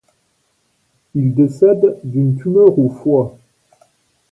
Il décède d'une tumeur au foie.